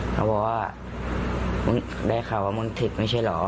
เขาบอกว่ามึงได้ข่าวว่ามึงผิดไม่ใช่เหรอ